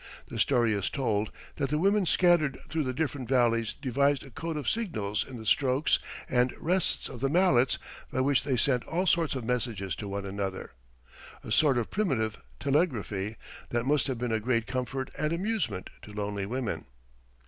The story is told, that the women scattered through the different valleys devised a code of signals in the strokes and rests of the mallets by which they sent all sorts of messages to one another a sort of primitive telegraphy that must have been a great comfort and amusement to lonely women.